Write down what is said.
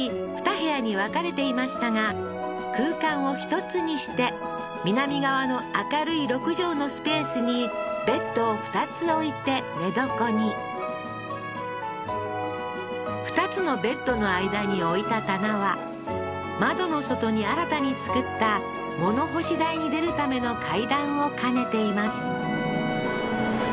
部屋に分かれていましたが空間を１つにして南側の明るい６畳のスペースにベッドを２つ置いて寝床に２つのベッドの間に置いた棚は窓の外に新たに作った物干し台に出るための階段を兼ねています